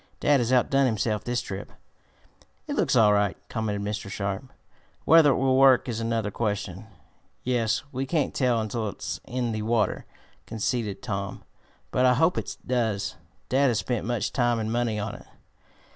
"Dad has outdone himself this trip." "It looks all right," commented Mr. Sharp. "Whether it will work is another question." "Yes, we can't tell until it's in the water," conceded Tom. "But I hope it does. Dad has spent much time and money on it."